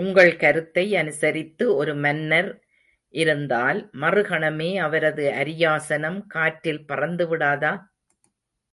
உங்கள் கருத்தை அனுசரித்து ஒரு மன்னர் இருந்தால், மறுகணமே அவரது அரியாசனம் காற்றில் பறந்து விடாதா?